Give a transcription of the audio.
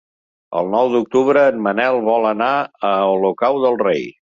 El nou d'octubre en Manel vol anar a Olocau del Rei.